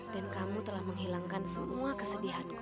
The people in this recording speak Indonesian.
dan kamu telah menghilangkan semua kesedihanku